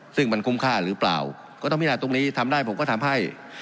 ซึ่งมันคุ้มค่าหรือเปล่าก็ต้องพินาตรงนี้ทำได้ผมก็ทำให้